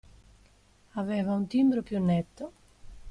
Aveva un timbro più netto.